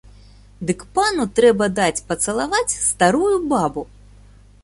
Дык пану трэба даць пацалаваць старую бабу.